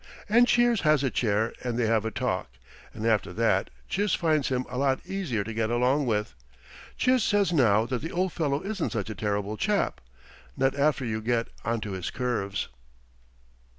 And Chiz has a chair, and they have a talk, and after that Chiz finds him a lot easier to get along with. Chiz says now that the old fellow isn't such a terrible chap not after you get onto his curves.